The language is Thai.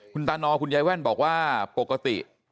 คุณตานอคุณยายแว่นบอกว่าปกติ